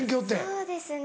そうですね